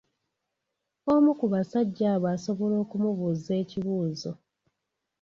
Omu ku basajja abo asobola okumubuuza ekibuuzo.